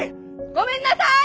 ごめんなさい！